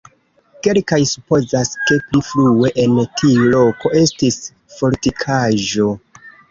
Kelkaj supozas, ke pli frue en tiu loko estis fortikaĵo.